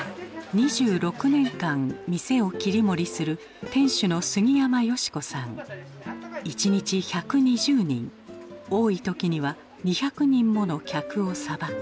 ２６年間店を切り盛りする店主の一日１２０人多い時には２００人もの客をさばく。